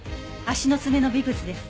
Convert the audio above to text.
足の爪の微物です。